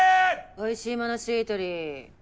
おいしいものしりとり。